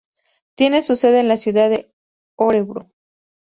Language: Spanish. Tiene su sede en la ciudad de Örebro.